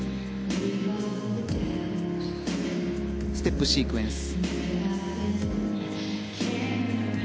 ステップシークエンス。